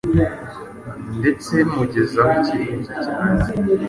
ndetse mugezaho icyifuzo cyanjye